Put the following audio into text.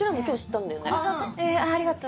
ありがとう。